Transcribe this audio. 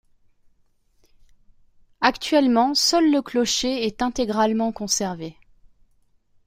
Actuellement, seul le clocher est intégralement conservé.